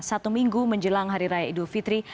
satu minggu menjelang hari raya idul fitri